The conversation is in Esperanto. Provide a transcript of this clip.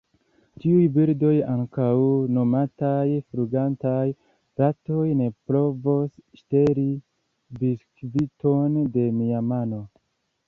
Tiuj birdoj, ankaŭ nomataj flugantaj ratoj, ne provos ŝteli biskviton de mia mano.